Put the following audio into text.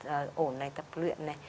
ổn này tập luyện này